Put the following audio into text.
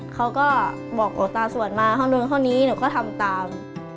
เขาก็บอกตราสวรรค์มาข้างนึงข้างนี้หนูก็ทำตาม